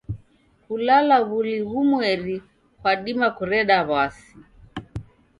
Kulala w'uli ghumweri kwadima kureda w'asi.